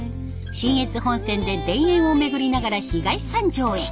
信越本線で田園を巡りながら東三条へ。